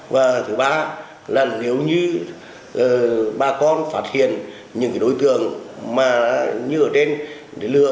và thứ ba là nếu như bà con phạt hiền những đối tượng mà như ở trên để lừa